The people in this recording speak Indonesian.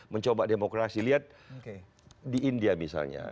mencoba demokrasi lihat di india misalnya